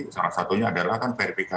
salah satunya adalah kan verifikasi